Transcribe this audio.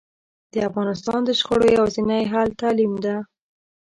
د افغانستان د شخړو یواځینی حل تعلیم ده